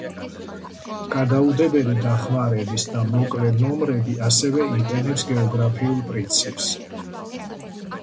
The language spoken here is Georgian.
გადაუდებელი დახმარების და მოკლე ნომრები ასევე იყენებს გეოგრაფიულ პრინციპს.